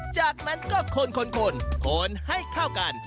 จากนั้นก็คนให้เข้ากัน